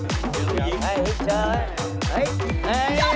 ช่วยกับเชิญเชิญ